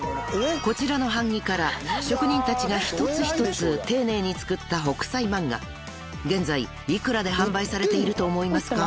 こちらの版木から職人たちが一つ一つ丁寧に作った『北斎漫画』現在幾らで販売されていると思いますか？］